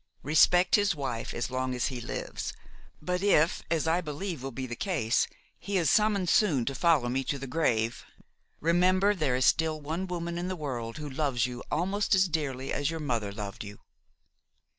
Respect his wife as long as he lives; but if, as I believe will be the case, he is summoned soon to follow me to the grave, remember there is still one woman in the world who loves you almost as dearly as your mother loved you."